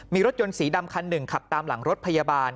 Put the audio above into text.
มีรถยนต์สีดำคันหนึ่งขับตามหลังรถพยาบาล